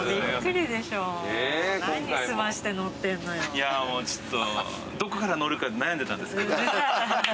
いやもうちょっと。